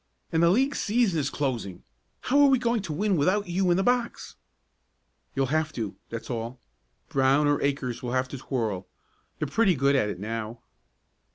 "And the league season is closing! How are we going to win without you in the box?" "You'll have to that's all. Brown or Akers will have to twirl they're pretty good at it now."